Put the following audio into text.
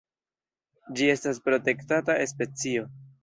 Ĝi estas protektata specio.